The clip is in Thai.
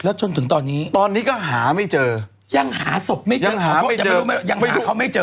แล้วจนถึงตอนนี้ตอนนี้ก็หาไม่เจอยังหาศพไม่เจอ